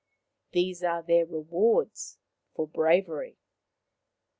These are their rewards for bravery.